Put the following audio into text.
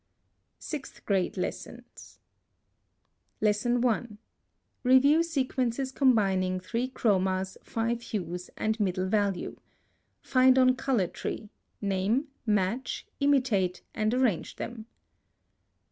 SIXTH GRADE LESSONS. 1. Review sequences combining three chromas, five hues, and middle value. Find on Color Tree, name, match, imitate, and arrange them.